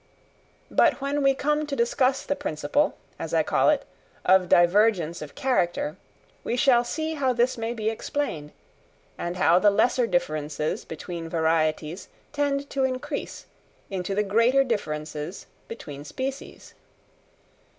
But when we come to discuss the principle, as I call it, of divergence of character, we shall see how this may be explained, and how the lesser differences between varieties tend to increase into the greater differences between species.